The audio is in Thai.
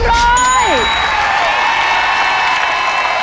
๓๐๐บาท